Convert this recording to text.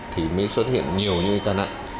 thì mới xuất hiện nhiều ca nặng